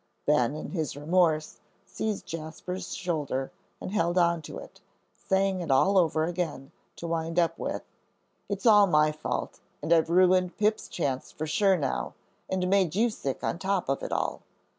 Ben, in his remorse, seized Jasper's shoulder and held on to it, saying it all over again, to wind up with, "It's all my fault, and I've ruined Pip's chance for sure now and made you sick on top of it all."